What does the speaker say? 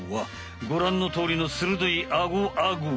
ごらんのとおりのするどいアゴアゴ。